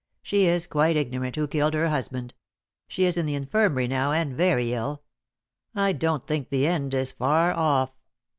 She is quite ignorant who killed her husband; she is in the infirmary now, and very ill. I don't think the end is far off.